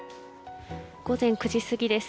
午前９時過ぎです。